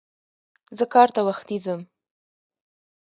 زه کار ته وختي ځم.